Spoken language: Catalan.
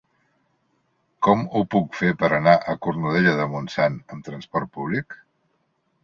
Com ho puc fer per anar a Cornudella de Montsant amb trasport públic?